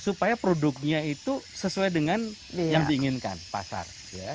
supaya produknya itu sesuai dengan yang diinginkan pasar